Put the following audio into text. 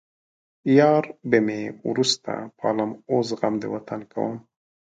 يار به مې وروسته پالم اوس غم د وطن کومه